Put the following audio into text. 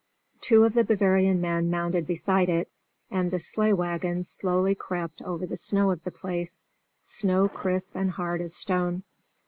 Two of the Bavarian men mounted beside it, and the sleigh wagon slowly crept over the snow of the place snow crisp and hard as stone.